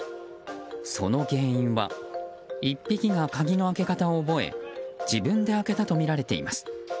その原因は１匹が鍵の開け方を覚え時分で開けたとみられています。